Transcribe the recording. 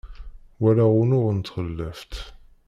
walaɣ unuɣ n tɣellaft